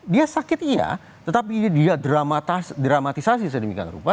dia sakit iya tetapi dia dramatisasi sedemikian rupa